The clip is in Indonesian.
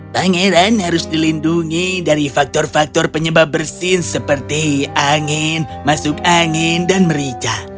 pangeran harus dilindungi dari faktor faktor penyebab bersin seperti angin masuk angin dan merica